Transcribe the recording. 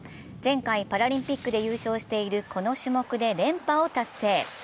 前回パラリンピックで優勝しているこの種目で連覇を達成。